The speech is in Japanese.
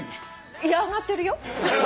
いや上がってるよ。